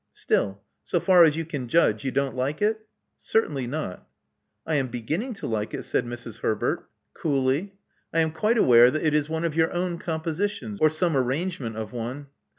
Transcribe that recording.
Still, so far as you can judge, you don't like it?" Certainly not." I am beginning to like it," said Mrs. Herbert, Love Among the Artists 241 coolly. *'I am quite aware that it is one of your own compositions — or some arrangement of one.''